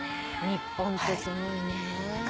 日本ってすごいね。